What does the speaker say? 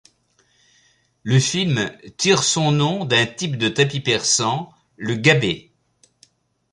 Le film tire son nom d'un type de tapis persan, le gabbeh.